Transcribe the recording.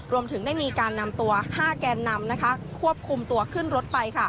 รวมถึงได้มีการนำตัว๕แกนนำควบคุมตัวขึ้นรถไป